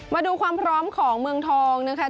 มาดูความพร้อมของเมืองทองนะคะ